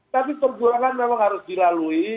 tapi perjuangan memang harus dilalui